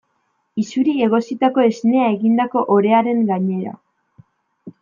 Isuri egositako esnea egindako orearen gainera.